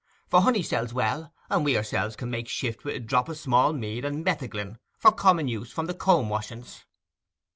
For honey sells well, and we ourselves can make shift with a drop o' small mead and metheglin for common use from the comb washings.